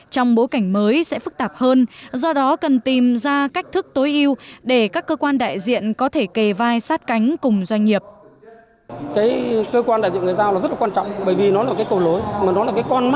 trong bối cảnh mới sẽ phức tạp hơn do đó cần tìm ra cách thức tối ưu để các cơ quan đại diện có thể kề vai sát cánh cùng doanh nghiệp